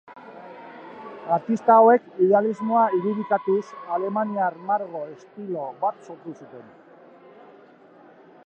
Artista hauek idealismoa irudikatuz alemaniar margo estilo bat sortu zuten.